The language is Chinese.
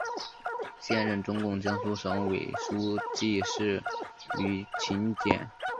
现任中共江苏省委书记是娄勤俭。